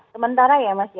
sementara ya mas ya